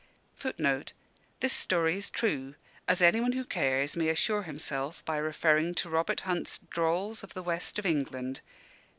[This story is true, as anyone who cares may assure himself by referring to Robert Hunt's "Drolls of the West of England," p.